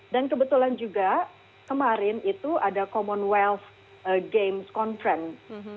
kebetulan juga kemarin itu ada commonwealth games conference